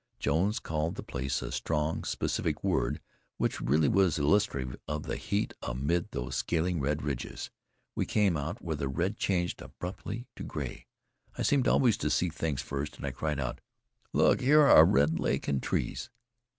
Jones called the place a strong, specific word which really was illustrative of the heat amid those scaling red ridges. We came out where the red changed abruptly to gray. I seemed always to see things first, and I cried out: "Look! here are a red lake and trees!"